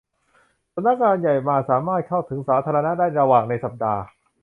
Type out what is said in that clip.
สำนักงานใหญ่มาสามารถเข้าถึงสาธารณะได้ระหว่างในสัปดาห์